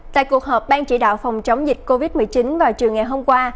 tại cuộc họp bang chỉ đạo phòng chống dịch covid một mươi chín vào trường ngày hôm qua